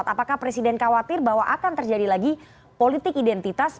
apakah presiden khawatir bahwa akan terjadi lagi politik identitas